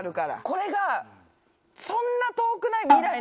これが。